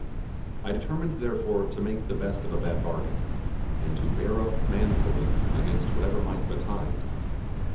I determined, therefore, to make the best of a bad bargain, and to bear up manfully against whatever might betide.